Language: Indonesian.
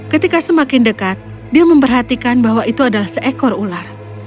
ketika semakin dekat dia memperhatikan bahwa itu adalah seekor ular